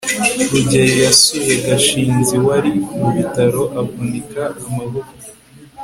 rugeyo yasuye gashinzi, wari mu bitaro avunika amagufwa